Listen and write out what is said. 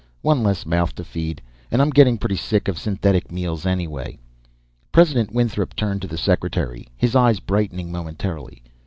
"One less mouth to feed. And I'm getting pretty sick of synthetic meals, anyway." President Winthrop turned to the Secretary, his eyes brightening momentarily.